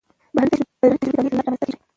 بهرنۍ تجربې د مطالعې له لارې رامنځته کېږي.